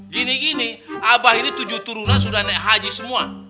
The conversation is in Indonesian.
gini gini abah ini tujuh turunan sudah naik haji semua